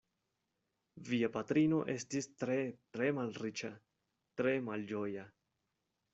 Via patrino estis tre, tre malriĉa, tre malĝoja.